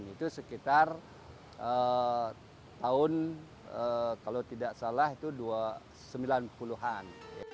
itu sekitar tahun kalau tidak salah itu sembilan puluh an